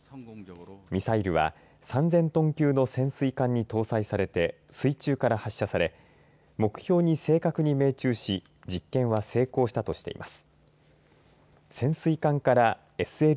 ミサイルは３０００トン級の潜水艦に搭載されて水中から発射され目標に正確に命中し実験は成功したとしています。